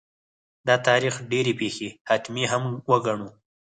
د تاریخ ډېرې پېښې حتمي هم وګڼو.